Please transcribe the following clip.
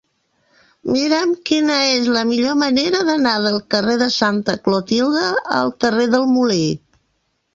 Mira'm quina és la millor manera d'anar del carrer de Santa Clotilde al carrer del Molí.